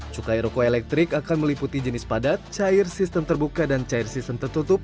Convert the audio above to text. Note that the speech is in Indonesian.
cukai roko elektrik akan meliputi jenis padat cair sistem terbuka dan cair sistem tertutup